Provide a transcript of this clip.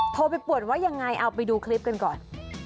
โทรไปป่วนว่ายังไงเอาไปดูคลิปกันก่อน